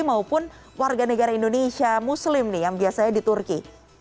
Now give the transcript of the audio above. maupun warga negara indonesia muslim nih yang biasanya di turki